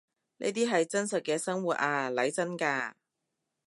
呢啲係真實嘅生活呀，嚟真㗎